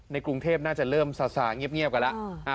ในกรุงเทพน่าจะเริ่มสาสางเงียบกันล่ะ